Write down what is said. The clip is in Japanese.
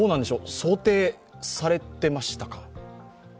想定されてましたか？